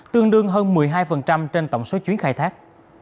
tương đương hơn một mươi hai trên tổng số chuyến khai thác